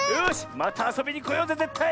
またあそびにこようぜぜったい！